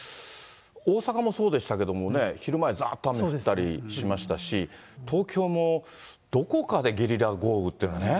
大阪もそうでしたけれどもね、昼前、ざーっと雨降ったりしましたし、東京も、どこかでゲリラ豪雨っていうのがね。